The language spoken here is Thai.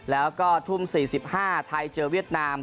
แล้วก็ทุ่ม๔๕ไทยเจอเวียดนาม